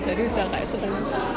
jadi sudah seru